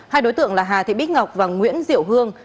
hai đối tượng là hà thị bích ngọc và nguyễn diệu hương